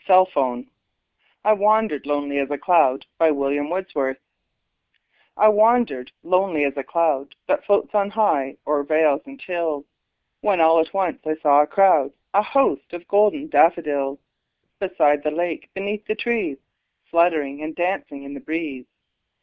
William Wordsworth I Wandered Lonely As a Cloud I WANDERED lonely as a cloud That floats on high o'er vales and hills, When all at once I saw a crowd, A host, of golden daffodils; Beside the lake, beneath the trees, Fluttering and dancing in the breeze.